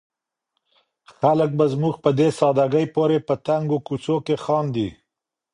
خلک به زموږ په دې ساده ګۍ پورې په تنګو کوڅو کې خاندي.